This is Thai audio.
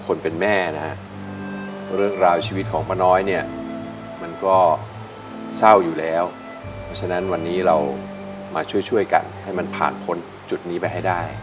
แม่นะฮะเรื่องราวชีวิตของป้าน้อยเนี่ยมันก็เศร้าอยู่แล้วเพราะฉะนั้นวันนี้เรามาช่วยช่วยกันให้มันผ่านพ้นจุดนี้ไปให้ได้